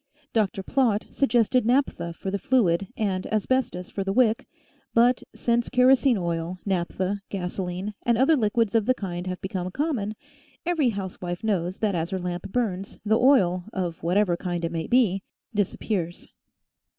Dr. Plott suggested naphtha for the fluid and asbestos for the wick, but since kerosene oil, naphtha, gasolene, and other liquids of the kind have become common, every housewife knows that as her lamp burns, the oil, of whatever kind it may be, disappears.